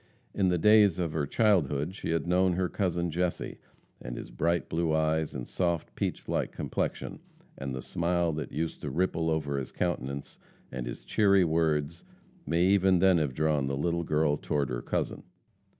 In the days of her childhood she had known her cousin Jesse, and his bright blue eyes and soft, peach like complexion, and the smile that used to ripple over his countenance, and his cheery words, may even then have drawn the little girl toward her cousin.